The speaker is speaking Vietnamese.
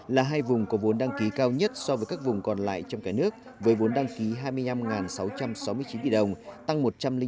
là hai vùng có vốn đăng ký cao nhất so với các vùng còn lại trong cả nước với vốn đăng ký hai mươi năm sáu trăm sáu mươi chín tỷ đồng tăng một trăm linh bốn